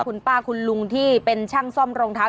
คุณป้าคุณลุงที่เป็นช่างซ่อมรองเท้า